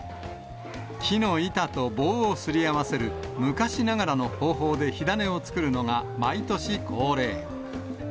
木の板と棒をすり合わせる昔ながらの方法で火種を作るのが毎年恒例。